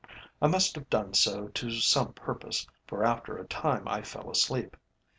I must have done so to some purpose, for after a time I fell asleep.